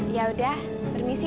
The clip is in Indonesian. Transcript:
yaudah permisi ya